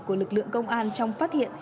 của lực lượng công an trong phát hiện